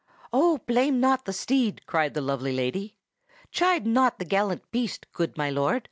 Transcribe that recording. "Oh! blame not the steed!" cried the lovely lady. "Chide not the gallant beast, good my lord!